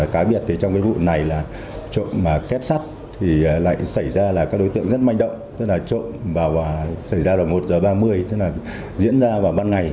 cái biệt trong cái vụ này là trộm kết sắt thì lại xảy ra là các đối tượng rất manh động tức là trộm xảy ra vào một h ba mươi tức là diễn ra vào ban ngày